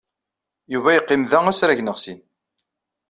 Yuba yeqqim da asrag neɣ sin.